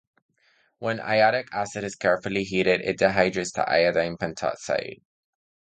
When iodic acid is carefully heated, it dehydrates to iodine pentoxide.